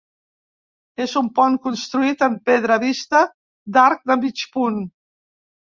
És un pont construït en pedra vista, d'arc de mig punt.